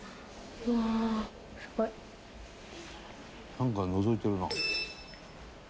「なんかでのぞいてるな」